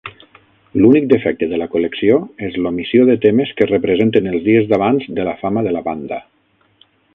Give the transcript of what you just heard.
L'únic defecte de la col·lecció és l'omissió de temes que representen els dies d'abans de la fama de la banda.